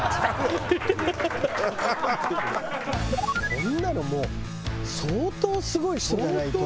こんなのもう相当すごい人じゃないと。